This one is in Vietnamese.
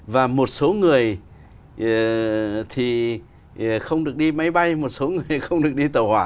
và một số người thì không được đi máy bay một số người không được đi tàu hỏa